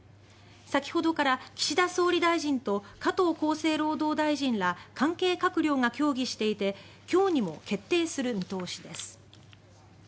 先ほどから岸田総理大臣と加藤厚生労働大臣ら関係閣僚が協議していて今日にも決定する見通しです。